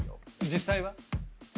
実際は？